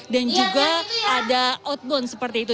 dan juga ada outbound seperti itu